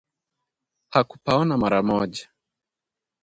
Hakupaona mara moja